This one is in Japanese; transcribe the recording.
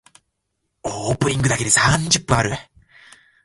オープニングだけで三十分ある。